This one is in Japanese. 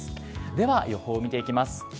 では、予報見ていきます。